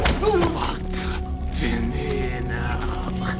分かってねえな。